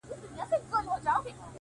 سپرلی ټینکه وعده وکړي چي را ځمه،